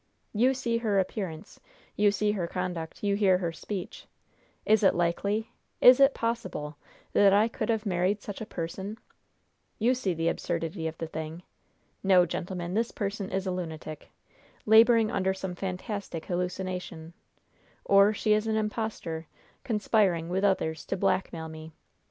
You see her appearance; you see her conduct; you hear her speech; is it likely is it possible that I could have married such a person? You see the absurdity of the thing. No, gentlemen; this person is a lunatic, laboring under some fantastic hallucination, or she is an impostor, conspiring, with others, to blackmail me.